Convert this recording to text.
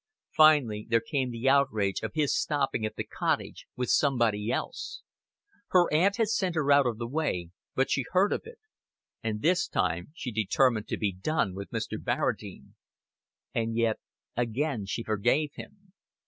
Finally, there came the outrage of his stopping at the Cottage with somebody else. Her aunt had sent her out of the way, but she heard of it; and this time she determined to be done with Mr. Barradine. And yet again she forgave him.